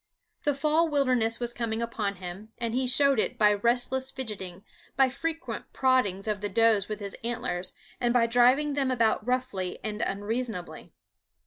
The fall wildness was coming upon him, and he showed it by restless fidgeting, by frequent proddings of the does with his antlers, and by driving them about roughly and unreasonably.